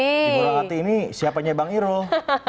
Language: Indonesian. ibu rohati ini siapanya bang eroh